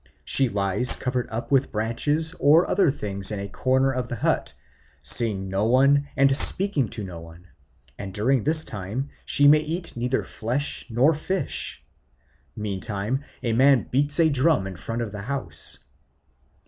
She lies covered up with branches or other things in a corner of the hut, seeing no one and speaking to no one, and during this time she may eat neither flesh nor fish. Meantime a man beats a drum in front of the house.